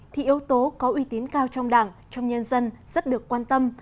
thì yếu tố có uy tín cao trong đảng trong nhân dân rất được quan tâm